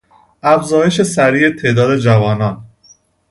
افزایش سریع تعداد جوانان